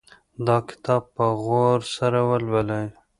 دا کتاب په غور سره ولولئ